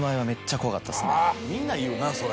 みんな言うなそれ。